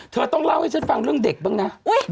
เธอต้องเล่าให้ฉันฟังเรื่องเด็กบ้างนะ